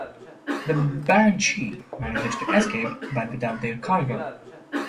The "Banshee" manages to escape but without their cargo.